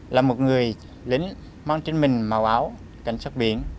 là một người lính mang chính mình màu áo cảnh sát biển